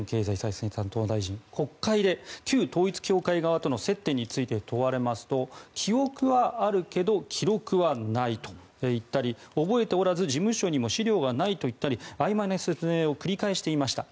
国会で旧統一教会側との接点について問われますと記憶はあるけど記録はないと言ったり覚えておらず事務所にも資料がないと言ったりあいまいな説明を繰り返していました。